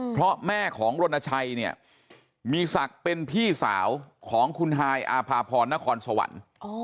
เพราะแม่ของรณชัยเนี่ยมีศักดิ์เป็นพี่สาวของคุณฮายอาภาพรนครสวรรค์